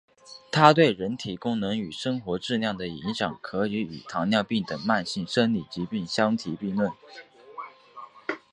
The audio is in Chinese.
它对人体功能与生活质量的影响可以与糖尿病等慢性生理疾病相提并论。